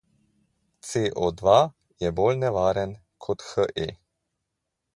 C O dva je bolj nevaren kot He.